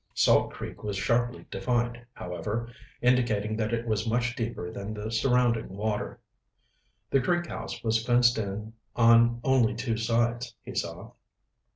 Salt Creek was sharply defined, however, indicating that it was much deeper than the surrounding water. The Creek House was fenced in on only two sides, he saw.